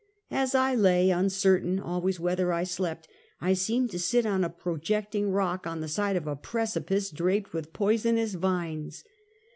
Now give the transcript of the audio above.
As I lay, un certain always whether I slept, I seemed to sit on a projecting rock on the side of a precipice draped with poisonous vines.